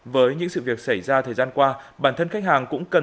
với những sự việc xảy ra thời gian qua